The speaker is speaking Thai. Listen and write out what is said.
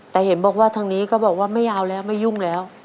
แต่เห็นบอกว่าทางนี้ก็บอกว่าไม่เอาแล้วไม่ยุ่งแล้ว